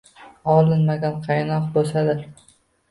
Olinmagan qaynoq boʼsadir.